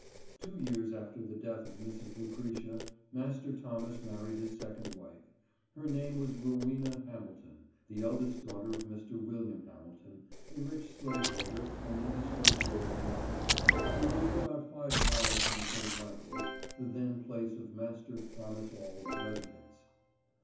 Two years after the death of Mrs. Lucretia, Master Thomas married his second wife. Her name was Rowena Hamilton, the eldest daughter of Mr. William Hamilton, a rich slaveholder on the Eastern Shore of Maryland, who lived about five miles from St. Michaels, the then place of Master Thomas Auld's residence.